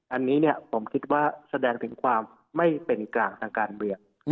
อันนี้ผมคิดว่าแสดงถึงความไม่เป็นกลางทางการเมือง